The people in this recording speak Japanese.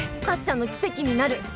タッちゃんの奇跡になる。